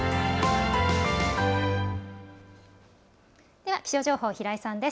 では気象情報、平井さんです。